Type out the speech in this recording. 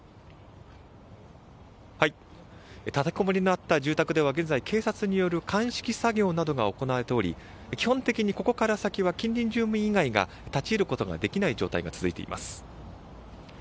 立てこもりのあった住宅では現在、警察による鑑識作業などが行われており基本的にここから先は近隣住民以外が立ち寄ることができない状態が続いています。